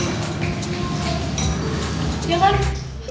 eh aneh banget sih